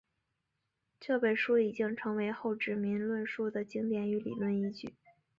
这本书已经成为后殖民论述的经典与理论依据。